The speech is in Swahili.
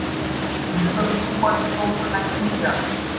Mito mikubwa ni Songwe na Kiwira